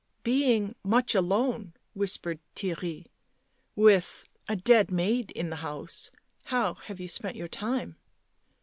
" Being much alone," whispered Theirry, 11 with — a dead maid in the house — how have you spent your time